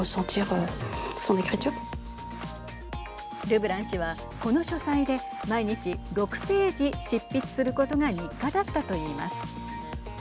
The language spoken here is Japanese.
ルブラン氏は、この書斎で毎日６ページ執筆することが日課だったといいます。